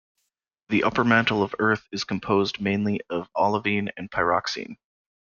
The upper mantle of Earth is composed mainly of olivine and pyroxene.